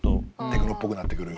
テクノっぽくなってくる。